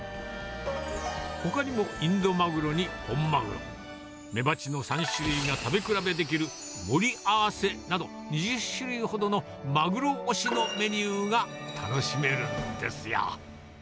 ほかにもインドマグロに本マグロ、メバチの３種類が食べ比べできる盛り合わせなど、２０種類ほどのマグロ押しのメニューが楽しめるんですよ。